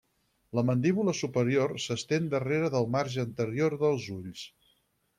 La mandíbula superior s'estén darrere del marge anterior dels ulls.